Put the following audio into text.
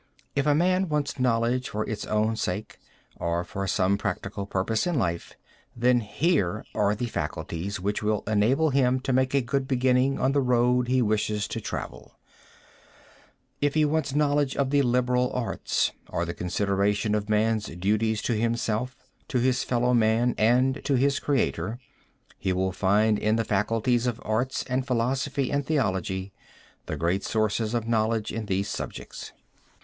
If a man wants knowledge for its own sake, or for some practical purpose in life, then here are the faculties which will enable him to make a good beginning on the road he wishes to travel. If he wants knowledge of the liberal arts, or the consideration of man's duties to himself, to his fellow man and to his Creator, he will find in the faculties of arts and philosophy and theology the great sources of knowledge in these subjects.